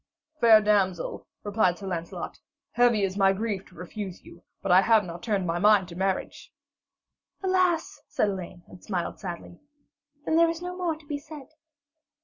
'Fair damsel,' replied Sir Lancelot, 'heavy is my grief to refuse you, but I have not turned my mind to marriage.' 'Alas,' said Elaine, and smiled sadly, 'then there is no more to be said.'